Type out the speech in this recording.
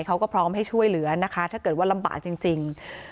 เขาก็พร้อมให้ช่วยเหลือนะคะถ้าเกิดว่าลำบากจริง